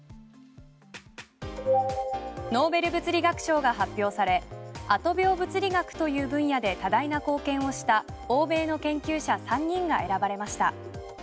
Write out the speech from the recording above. ノーベル物理学賞が発表されアト秒物理学という分野で多大な貢献をした欧米の研究者３人が選ばれました。